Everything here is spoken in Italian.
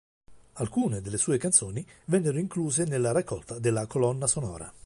Alcune delle sue canzoni vennero incluse nella raccolta della colonna sonora.